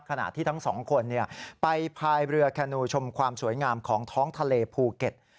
ขณะที่ทั้งสองคนไปพายเรือแคนูชมความสวยงามของท้องทะเลภูเก็ต